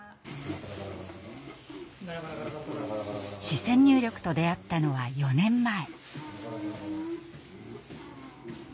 視線入力と出会ったのは４年前。